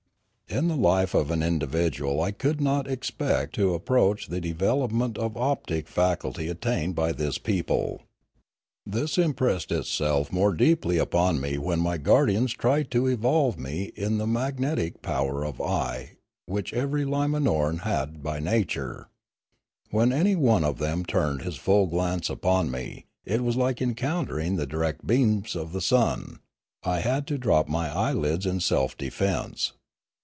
In the life of an individual I could not expect to ap proach the development of optic faculty attained by this people. This impressed itself more deeply upon me when my guardians tried to evolve in me the mag netic power of eye which every Limanoran had by nature. When any one of them turned his full glance upon me, it was like encountering the direct beams of the sun; I had to drop my eyelids in self defence.